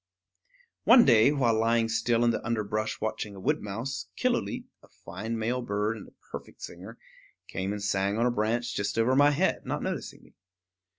One day, while lying still in the underbrush watching a wood mouse, Killooleet, a fine male bird and a perfect singer, came and sang on a branch just over my head, not noticing me.